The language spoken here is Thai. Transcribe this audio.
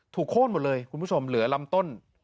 โค้นหมดเลยคุณผู้ชมเหลือลำต้น